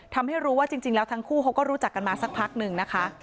ทำให้รู้ว่าจริงแล้วทั้งคู่เขาก็รู้จักกันมาสักพักหนึ่งนะคะ